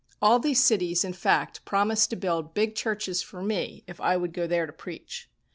All these cities, in fact, promised to build big churches for me if I would go there to preach.